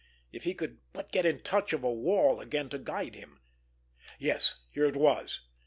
If he could but get the touch of a wall again to guide him! Yes, here it was!